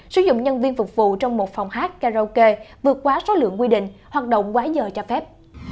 sử dụng nhân viên phục vụ trong một phòng hát karaoke vượt quá số lượng quy định hoạt động quá giờ cho phép